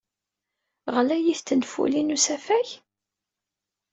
Ɣlayit tenfulin n usafag?